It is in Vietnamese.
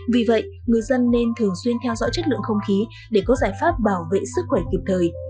vì vậy người dân nên thường xuyên theo dõi chất lượng không khí để có giải pháp bảo vệ sức khỏe kịp thời